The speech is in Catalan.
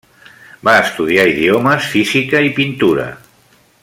Va estudiar idiomes, física i pintura.